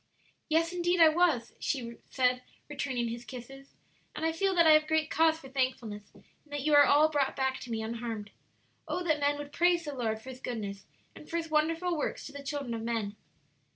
"Yes, indeed I was," she said, returning his kisses; "and I feel that I have great cause for thankfulness in that you are all brought back to me unharmed. 'Oh, that men would praise the Lord for His goodness and for His wonderful works to the children of men!'"